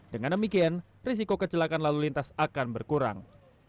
dengan demikian risiko kecelakaan lalu lintas akan berkurang